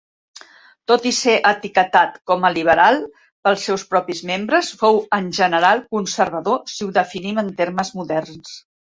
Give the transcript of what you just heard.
Tot i ser etiquetat com a "liberal" pels seus propis membres, fou en general conservador si ho definim en termes moderns.